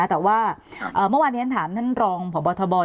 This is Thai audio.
แต่ว่าเมื่อวานที่ท่านถามท่านรองผ่อบอร์ธบอร์